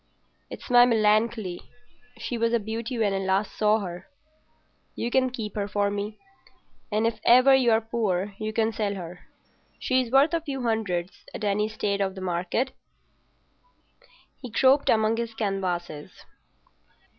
It's my Melancolia; she was a beauty when I last saw her. You can keep her for me, and if ever you're poor you can sell her. She's worth a few hundreds at any state of the market." He groped among his canvases.